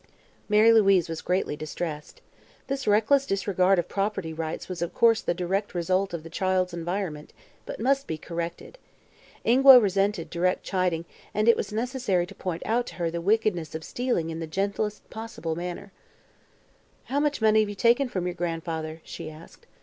Mary Louise was greatly distressed. This reckless disregard of property rights was of course the direct result of the child's environment, but must be corrected. Ingua resented direct chiding and it was necessary to point out to her the wickedness of stealing in the gentlest possible manner. "How much money have you taken from your grandfather?" she asked.